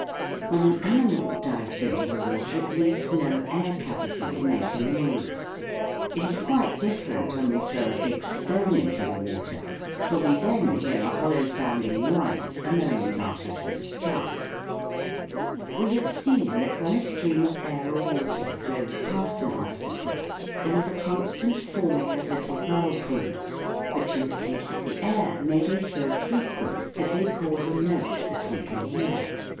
When an animal dives into the water it leaves no air cavity to make a no'ise ; it is quite different when we throw a big stone into the water, for we then hear a hollow sounding noise a moment after it has struck. We have seen that when a stream of air or water flows past an obstacle there is a constant forming of little whirlpools, which in the case of the air may be so frequent that they cause a note that we can hear.